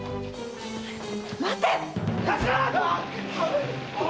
待て！